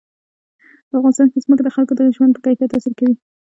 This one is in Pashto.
په افغانستان کې ځمکه د خلکو د ژوند په کیفیت تاثیر کوي.